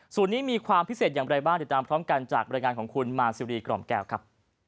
ส่วนนี้มีความพิเศษอย่างไรบ้างติดตามพร้อมกันจากบรรยายงานของคุณมาซิรีกล่อมแก้วครับ